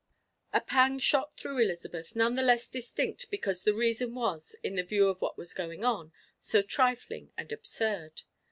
A pang shot through Elizabeth none the less distinct because the reason was, in view of what was going on, so trifling and absurd.